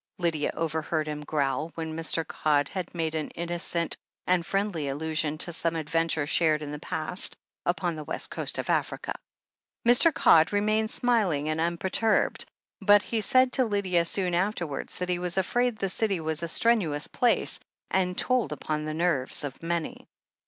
Lydia overheard him growl, when Mr. Codd had made an innocent and friendly allusion to some adventure shared in the past upon the West Coast of Africa. Mr. Codd remained smiling and unperturbed, but he said to Lydia soon afterwards that he was afraid the City was a strenuous place, and told upon the nerves of many.